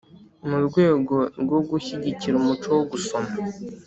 Mu rwego rwo gushyigikira umuco wo gusoma